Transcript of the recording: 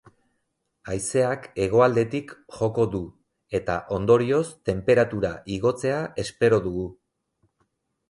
Haizeak hegoaldetik joko du, eta, ondorioz, tenperatura igotzea espero dugu.